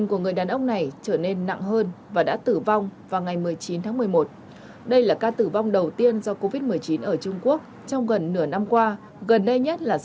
không phải là tôi chống đối chính quyền